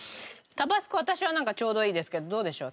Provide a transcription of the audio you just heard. タバスコ私はなんかちょうどいいですけどどうでしょう？